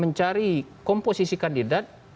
mencari komposisi kandidat